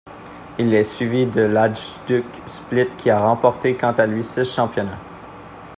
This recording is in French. Il est suivi de l'Hajduk Split qui a remporté quant à lui six championnats.